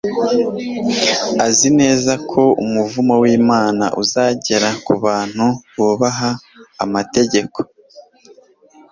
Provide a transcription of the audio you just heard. Azi neza ko umuvumo wImana uzagera ku bantu bubaha amategeko